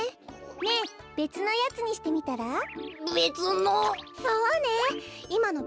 ねえべつのやつにしてみたら？べつの？